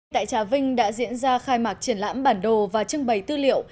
tại trà vinh đã diễn ra khai mạc triển lãm bản đồ và trưng bày tư liệu